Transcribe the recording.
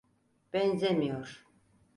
Benzemiyor.